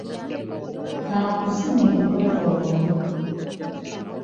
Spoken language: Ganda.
Ka nkuzine nkwetoloole.